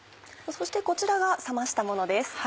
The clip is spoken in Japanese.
そしてこちらが冷ましたものです。